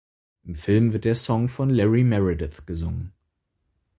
Im Film wird der Song von Larry Meredith gesungen.